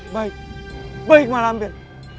baik baik malamber